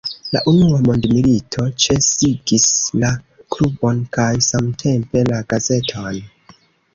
La unua mondmilito ĉesigis la klubon kaj samtempe la gazeton.